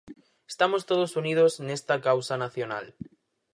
Estamos todos unidos nesta causa nacional.